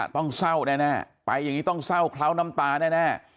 ต้องเศร้าแน่ไปอย่างนี้ต้องเศร้าเคล้าน้ำตาแน่